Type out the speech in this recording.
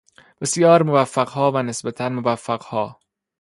بسیار موفقها و نسبتا موفقها